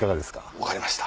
分かりました。